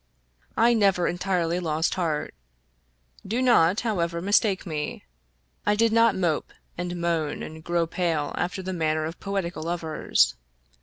I never entirely lost heart. Do not, however, mistake me. I did not mope, and moan, and grow pale, after the manner of poetical lovers.